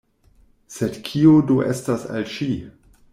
Sed kio do estas al ŝi?